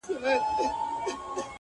کرونا جدی وګڼی،،!